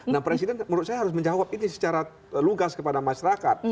nah presiden menurut saya harus menjawab ini secara lugas kepada masyarakat